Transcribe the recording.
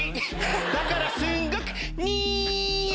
だからすんごくニア！